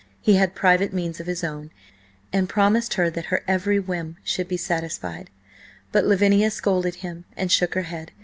He had private means of his own, and promised her that her every whim should be satisfied. But Lavinia scolded him and shook her head.